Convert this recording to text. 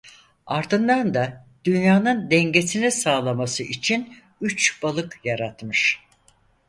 Ardından da dünyanın dengesini sağlaması için üç balık yaratmış.